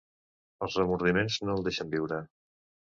Els remordiments no el deixen viure.